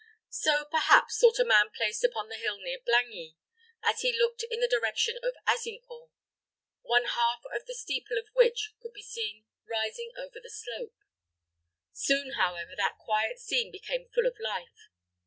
So, perhaps, thought a man placed upon the hill near Blangy, as he looked in the direction of Azincourt, one half of the steeple of which could be seen rising over the slope. Soon, however, that quiet scene became full of life.